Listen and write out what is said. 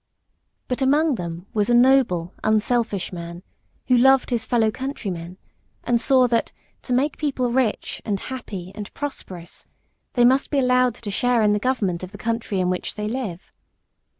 But among them was a noble, unselfish man, who loved his fellow countrymen, and who saw, that to make people rich, and happy, and prosperous, they must be allowed to share in the government of the country in which they live.